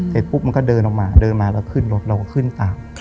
เสร็จปุ๊บมันก็เดินออกมาเดินมาแล้วขึ้นรถเราก็ขึ้นตาม